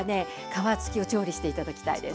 皮つきを調理して頂きたいです。